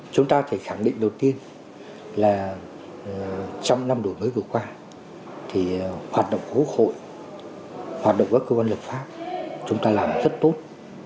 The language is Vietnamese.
chúng ta phải khẳng định đầu tiên là trong năm đổi mới vừa qua thì hoạt động của quốc hội hoạt động các cơ quan lập pháp chúng ta làm rất tốt